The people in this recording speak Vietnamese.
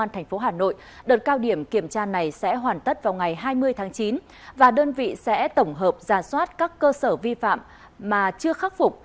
công an tp hà nội đợt cao điểm kiểm tra này sẽ hoàn tất vào ngày hai mươi tháng chín và đơn vị sẽ tổng hợp giả soát các cơ sở vi phạm mà chưa khắc phục